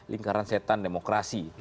lingkaran setan demokrasi